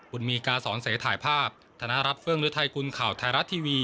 คุณมีกาสอนเสถ่ายภาพธนารับเฟื้องด้วยไทยคุณข่าวไทยรัตน์ทีวี